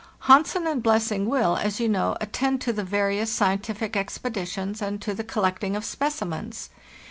"Hansen and Blessing will, as you know, attend to the various scientific expeditions and to the collecting of specimens.